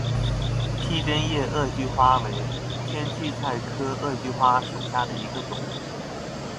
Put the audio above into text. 披针叶萼距花为千屈菜科萼距花属下的一个种。